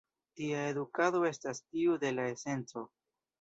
Tiu edukado estas tiu de la esenco.